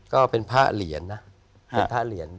ก็เป็นพระเหรียญนะ